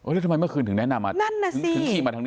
แล้วทำไมเมื่อคืนถึงแนะนำมาทางนี้